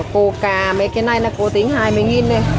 cô cà mấy cái này là cô tính hai mươi đồng